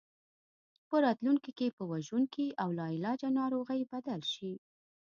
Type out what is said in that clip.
په راتلونکي کې په وژونکي او لاعلاجه ناروغۍ بدل شي.